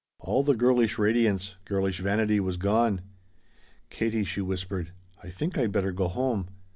All the girlish radiance girlish vanity was gone. "Katie," she whispered, "I think I'd better go home.